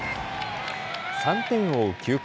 ３点を追う９回。